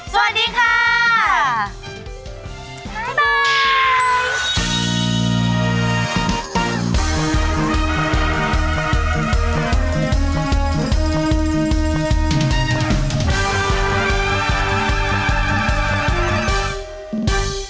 สวัสดีค่ะ